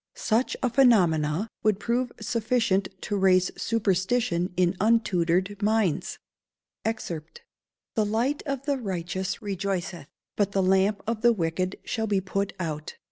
Such a phenomena would prove sufficient to raise superstition in untutored minds. [Verse: "The light of the righteous rejoiceth, but the lamp of the wicked shall be put out."